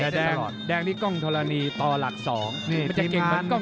แต่แดงนี่ก้องทลนีต่อหลักสอง